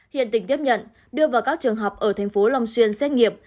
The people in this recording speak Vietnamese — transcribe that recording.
hiện tỉnh tiếp nhận đưa vào các trường học ở thành phố long xuyên xét nghiệm